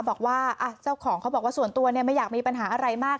บอกว่าเจ้าของเขาบอกว่าส่วนตัวไม่อยากมีปัญหาอะไรมาก